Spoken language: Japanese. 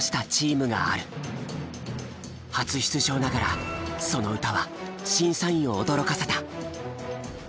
初出場ながらその歌は審査員を驚かせた。